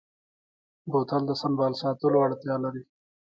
بوتل د سنبال ساتلو اړتیا لري.